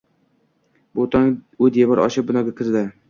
Bu tong u devor oshib, binoga kirdi.